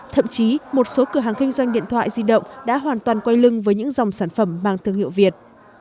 thậm chí một số cửa hàng kinh doanh điện thoại di động đã hoàn toàn quay lưng với những dòng sản phẩm mang thương hiệu việt